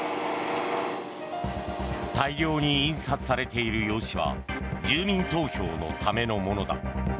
大量に印刷されている用紙は住民投票のためのものだ。